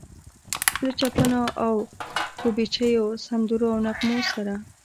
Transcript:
له چپنو او ګوبیچو، سندرو او نغمو څخه.